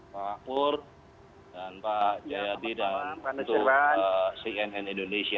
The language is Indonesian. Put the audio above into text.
pak pur dan pak jayadi dan untuk cnn indonesia